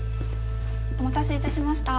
・お待たせいたしました